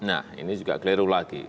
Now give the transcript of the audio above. nah ini juga keliru lagi